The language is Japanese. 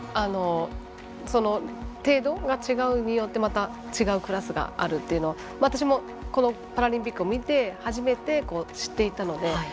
程度の違いによって違うクラスがあるというのが私も、このパラリンピックを見て初めて知っていったので。